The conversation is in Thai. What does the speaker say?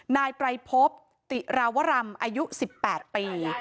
นายไตรพบติราวรำอายุ๑๘ปี